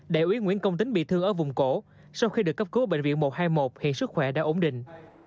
đại úy nguyễn công tính bị thương ở vùng cổ sau khi được cấp cứu bệnh viện một trăm hai mươi một hiện sức khỏe đã ổn định